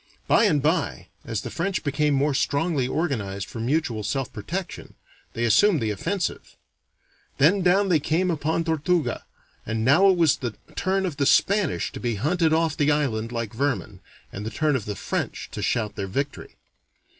By and by, as the French became more strongly organized for mutual self protection, they assumed the offensive. Then down they came upon Tortuga, and now it was the turn of the Spanish to be hunted off the island like vermin, and the turn of the French to shout their victory.